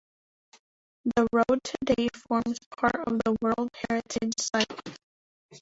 The road today forms part of the World Heritage Site.